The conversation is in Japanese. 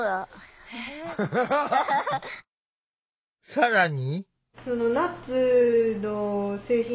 更に。